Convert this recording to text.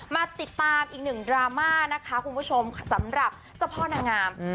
มาติดตามอีกหนึ่งดราม่านะคะคุณผู้ชมสำหรับเจ้าพ่อนางงาม